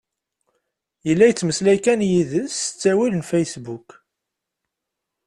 Yella yettmeslay kan d yid-s s ttawil n fasebbuk.